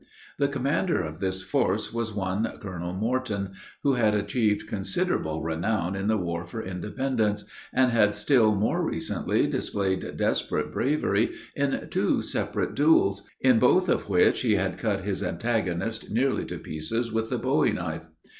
The commander of this force was one Colonel Morton, who had achieved considerable renown in the war for independence, and had still more recently displayed desperate bravery in two desperate duels, in both of which he had cut his antagonist nearly to pieces with the bowie knife.